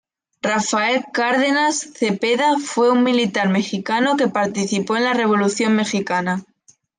Rafael Cárdenas Zepeda fue un militar mexicano que participó en la Revolución mexicana.